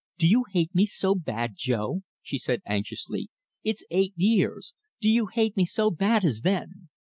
"Do you hate me so bad, Jo?" she said anxiously. "It's eight years do you hate me so bad as then?"